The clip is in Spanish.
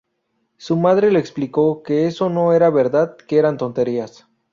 Su madre le explicó que eso no era verdad, que eran tonterías.